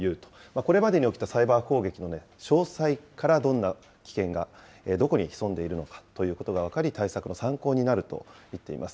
これまでに起きたサイバー攻撃の詳細からどんな危険がどこに潜んでいるのかということが分かり、対策の参考になると言っています。